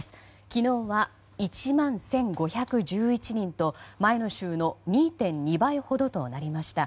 昨日は１万１５１１人と前の週の２．２倍ほどとなりました。